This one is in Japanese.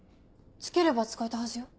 付ければ使えたはずよ。